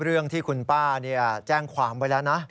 เรื่องที่คุณป้าแจ้งความไว้แล้วนะ